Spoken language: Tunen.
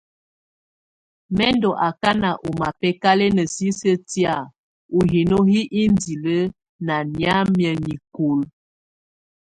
Mɛ̀ ndɔ̀ akana ɔ́ mabɛkalɛna sisiǝ́ tɛ̀á ú hino hi indili ná nɛ̀ámɛa nikulǝ.